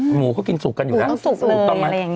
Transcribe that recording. หมูก็กินสุกกันอยู่นะหมูต้องสุกเลย